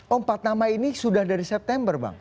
oh empat nama ini sudah dari september bang